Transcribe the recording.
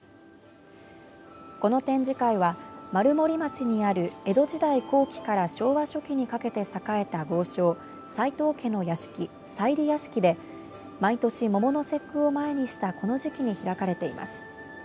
この展示会は丸森町にある江戸時代後期から昭和初期にかけて栄えた豪商齋藤家の屋敷、齋理屋敷で毎年、桃の節句を前にしたこの時期に開かれています。